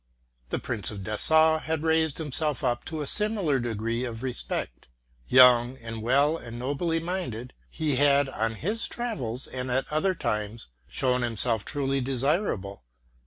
The Prince of Dessau had raised himself up to a similar degree ©£ respect. Young, well and nobly minded, he had RELATING TO MY LIFE. 273 on his travels and at other times shown himself truly desir able.